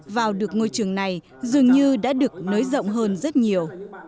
vào được ngôi trường này dường như đã được nới rộng hơn rất nhiều